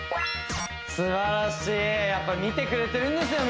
すばらしいやっぱ見てくれてるんですよ